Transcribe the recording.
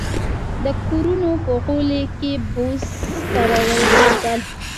د کورونو په غولي کې بوس کارول کېدل